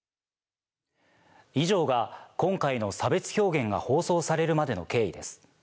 以上が今回の差別表現が放送されるまでの経緯です。